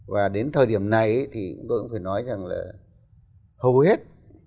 và đến thời điểm này thì chúng tôi cũng phải nói rằng là hầu hết